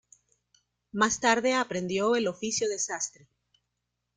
Más tarde aprendió el oficio de sastre.